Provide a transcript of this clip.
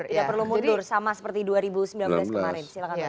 tidak perlu mundur sama seperti dua ribu sembilan belas kemarin